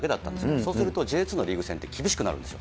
そうすると、Ｊ２のリーグ戦って厳しくなるんですよ。